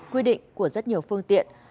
quy định của rất nhiều phương tiện